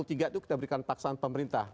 enam puluh tiga itu kita berikan paksaan pemerintah